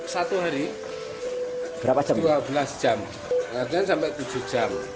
satu hari dua belas jam artinya sampai tujuh jam